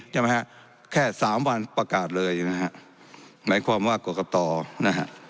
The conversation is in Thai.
ใช่ไหมฮะแค่สามวันประกาศเลยใช่ไหมฮะหมายความว่ากรกตนะฮะ